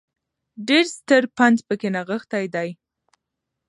ډېر ستر پند په کې نغښتی دی